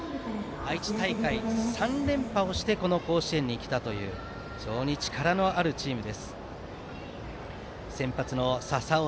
愛知大会、３連覇をしてこの甲子園に来たという非常に力のあるチームです。